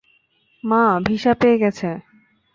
মা ভিসা পেয়ে গেছে।